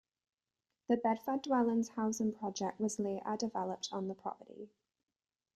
The Bedford Dwellings housing project was later developed on the property.